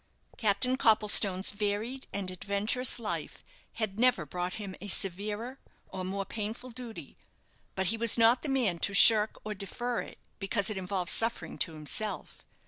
Captain Copplestone's varied and adventurous life had never brought him a severer or more painful duty, but he was not the man to shirk or defer it, because it involved suffering to himself.